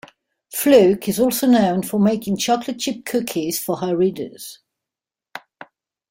Fluke is also known for making chocolate chip cookies for her readers.